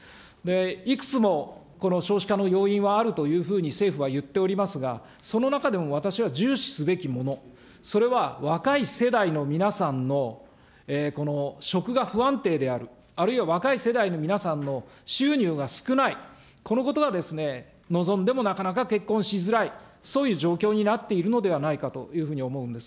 いくつも少子化の要因はあるというふうに政府は言っておりますが、その中でも私は重視すべきもの、それは、若い世代の皆さんの職が不安定である、あるいは若い世代の皆さんの収入が少ない、このことは望んでもなかなか結婚しづらい、そういう状況になっているのではないかと思うんです。